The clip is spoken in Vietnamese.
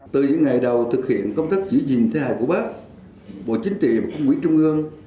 từ những ngày đầu thực hiện công tác giữ gìn thi hài của bác bộ chính trị và công quỹ trung ương